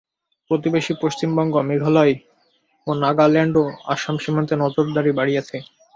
প্রতিবেশী পশ্চিমবঙ্গ, মেঘালয় ও নাগাল্যান্ডও আসাম সীমান্তে নজরদারি বাড়িয়েছে।